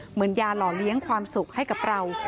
เหมือนยาหล่อเลี้ยงความสุขให้กับเรา